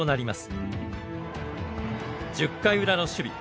１０回ウラの守備。